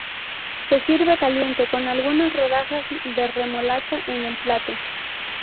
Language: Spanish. Se sirve caliente con algunas rodajas de remolacha en el plato.